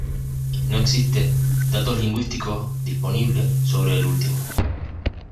No existe datos lingüísticos disponible sobre el último.